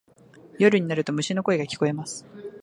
夜になると虫の声が聞こえます。